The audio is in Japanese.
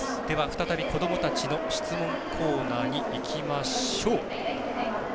再び、子どもたちの質問コーナーにいきましょう。